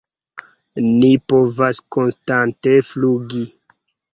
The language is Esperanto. "Ni povas konstante flugi!"